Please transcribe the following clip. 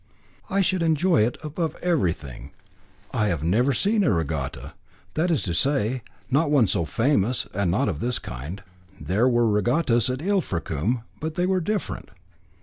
"I should enjoy it above everything. I have never seen a regatta that is to say, not one so famous, and not of this kind. There were regattas at Ilfracombe, but they were different."